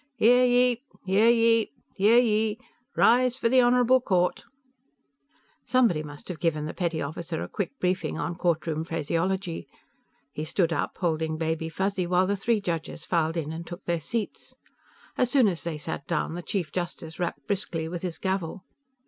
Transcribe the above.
"Hear ye! Hear ye! Hear ye! Rise for the Honorable Court!" Somebody must have given the petty officer a quick briefing on courtroom phraseology. He stood up, holding Baby Fuzzy, while the three judges filed in and took their seats. As soon as they sat down, the Chief Justice rapped briskly with his gavel.